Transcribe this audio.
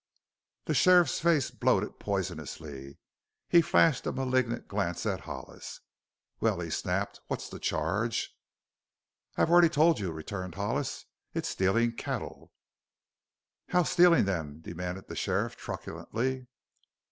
The sheriff's face bloated poisonously. He flashed a malignant glance at Hollis. "Well," he snapped, "what's the charge?" "I have already told you," returned Hollis. "It is stealing cattle." "How stealin' them?" demanded the Sheriff truculenty.